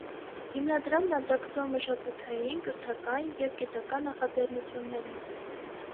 Հիմնադրամն աջակցում է մշակութային, կրթական և գիտական նախաձեռնություններին։